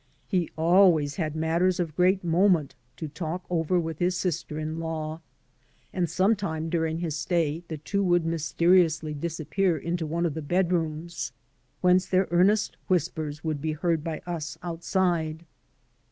He always had matters of great moment to talk over with his sister in law, and some time during his stay the two would mysteriously disappear into one of the bedrooms, whence their earnest whispers would be heard by us outside.